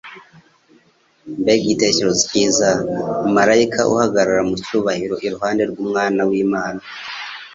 Mbega igitekerezo cyiza - marayika uhagarara mu cyubahiro iruhande rw'Umwana w'Imana